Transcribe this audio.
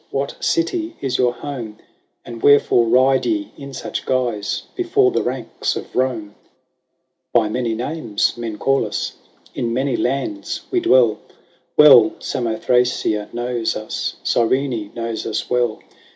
What city is your home ? And wherefore ride ye in such guise Before the ranks of Rome ?" XXXIV. " By many names men call us ; In many lands we dwell : Well Samothracia knows us ; Gyrene knows us well.